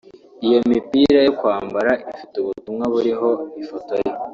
Iyo mipira yo kwambara ifite ubutumwa buriho ifoto ye